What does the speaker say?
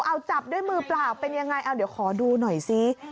เอาจับด้วยมือเปล่าเป็นยังไงเอาเดี๋ยวขอดูหน่อยซิ